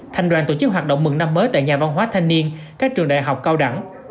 thành đoàn tổ chức hoạt động mừng năm mới tại nhà văn hóa thanh niên các trường đại học cao đẳng